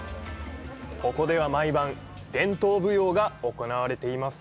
ここでは毎晩伝統舞踊が行われています。